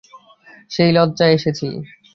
সেই লজ্জায় এসেছি।